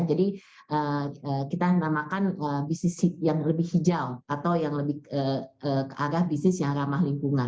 jadi kita namakan bisnis yang lebih hijau atau yang lebih ke arah bisnis yang ramah lingkungan